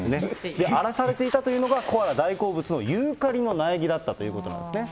荒らされていたというのが、コアラ大好物のユーカリの苗木だったということですね。